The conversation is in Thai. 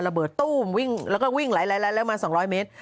ระเบิดตู้มวิ่งแล้วก็วิ่งไหลแล้วมา๒๐๐เมตร